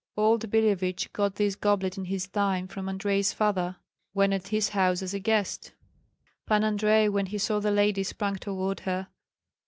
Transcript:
Old Billevich got this goblet in his time from Andrei's father, when at his house as a guest. Pan Andrei when he saw the lady sprang toward her.